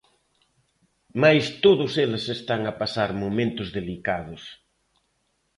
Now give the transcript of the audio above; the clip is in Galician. Mais todos eles están a pasar momentos delicados.